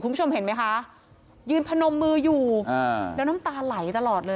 คุณผู้ชมเห็นไหมคะยืนพนมมืออยู่อ่าแล้วน้ำตาไหลตลอดเลย